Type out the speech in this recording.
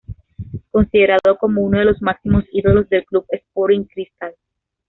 Considerado como uno de los máximos ídolos del Club Sporting Cristal.